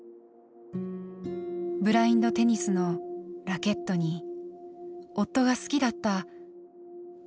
ブラインドテニスのラケットに夫が好きだった缶コーヒー。